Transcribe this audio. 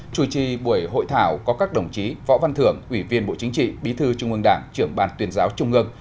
chủ trì buổi hội thảo có các đồng chí võ văn thưởng ủy viên bộ chính trị bí thư trung ương đảng trưởng bàn tuyên giáo trung ương